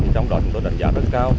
trong đó chúng tôi đánh giá rất cao